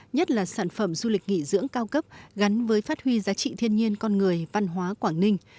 nhất là sản phẩm du lịch nghỉ dưỡng cao cấp gắn với phát huy giá trị thiên nhiên con người văn hóa quảng ninh